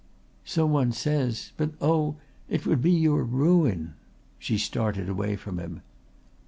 "So one says. But oh, it would be your ruin." She started away from him.